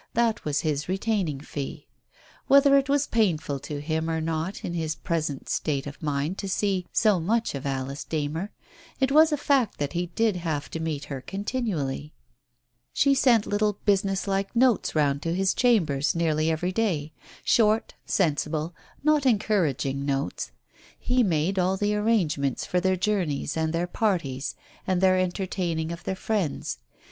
That was his retaining fee. Digitized by Google 8 TALES OF THE UNEASY Whether it was painful to him or not in his present state of mind to see so much of Alice Darner, it was a fact that he did have to meet her continually. She sent little business like notes round to his chambers nearly every day — short, sensible, not encouraging notes. He made all the arrangements for their journeys and their parties and their entertaining of their friends.